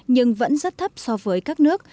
nhưng vẫn rất thấp so với các nước